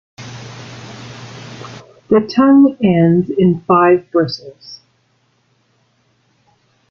The tongue ends in five bristles.